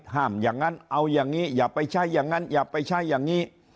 อย่างนั้นเอาอย่างนี้อย่าไปใช้อย่างนั้นอย่าไปใช้อย่างนี้